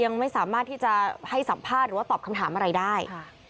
ยังไม่สามารถที่จะให้สัมภาษณ์หรือว่าตอบคำถามอะไรได้